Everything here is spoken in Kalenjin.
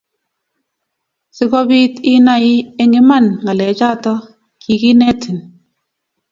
si kobiit inai eng' iman, ng'alechato kiginetin.